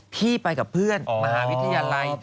พี่ไปกับเพื่อนมหาวิทยาลัย